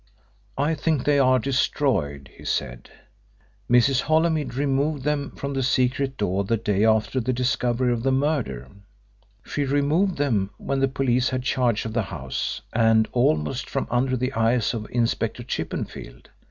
"I think they are destroyed," he said. "Mrs. Holymead removed them from the secret drawer the day after the discovery of the murder. She removed them when the police had charge of the house, and almost from under the eyes of Inspector Chippenfield.